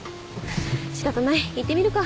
仕方ない行ってみるか。